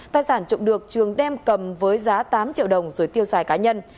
tài sản trộm được trường đem cầm với giá tám triệu đồng rồi tiêu xài cá nhân